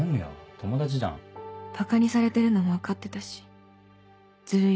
友達じゃんばかにされてるのも分かってたしズルい